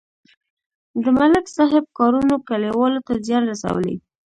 د ملک صاحب کارونو کلیوالو ته زیان رسولی.